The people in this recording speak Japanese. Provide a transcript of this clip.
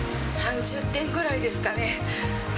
３０点ぐらいですかね。